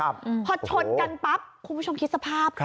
พอชนกันปั๊บคุณผู้ชมคิดสภาพ